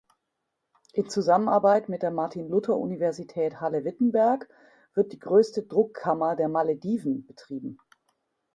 In Zusammenarbeit mit der Martin-Luther-Universität Halle-Wittenberg wird die größte Druckkammer der Malediven betrieben.